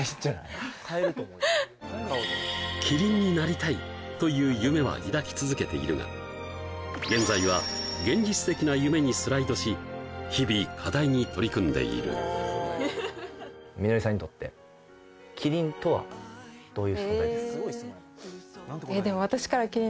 キリンになりたいという夢は抱き続けているが現在は現実的な夢にスライドし日々課題に取り組んでいるどういう存在ですか？